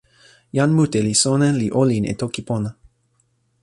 jan mute li sona li olin e toki pona.